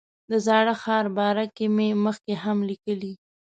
د زاړه ښار باره کې مې مخکې هم لیکلي.